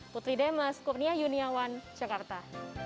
putri demes kurnia yuniawan jakarta